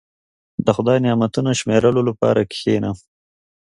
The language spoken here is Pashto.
• د خدای نعمتونه شمیرلو لپاره کښېنه.